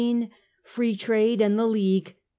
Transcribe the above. FREE TRADE AND THE LEAGUE.